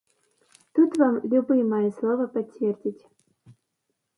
Тут вам любы мае словы пацвердзіць.